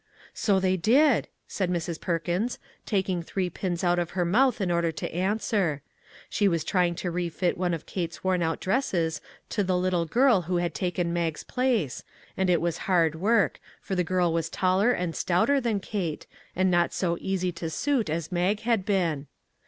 "" So they did," said Mrs. Perkins, taking three pins out of her mouth in order to answer ; she was trying to refit one of Kate's worn out 306 A NEW HOME dresses to the little girl who had taken Mag's place, and it was hard work, for the girl was taller and stouter than Kate, and not so easy to suit as Mag had been.